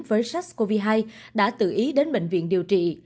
với sars cov hai đã tự ý đến bệnh viện điều trị